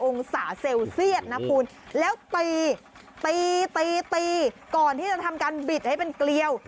องศาเซลเซียตนะคุณแล้วตีตีตีตีก่อนที่จะทำการบิดให้เป็นเกลียว